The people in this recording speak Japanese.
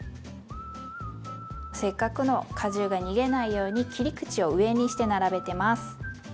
せっかくの果汁が逃げないように切り口を上にして並べてます。